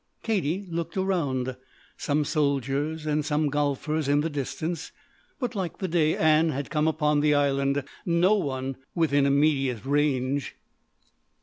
Katie looked around. Some soldiers and some golfers in the distance, but like the day Ann had come upon the Island, no one within immediate range.